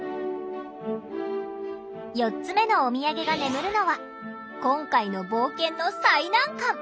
４つ目のおみやげが眠るのは今回の冒険の最難関